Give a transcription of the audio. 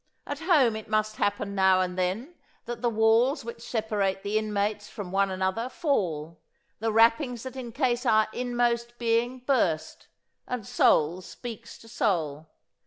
At home it must happen now and then that the walls which separate the inmates from one another fall, the wrappings that encase our inmost being burst, and soul speaks to soul.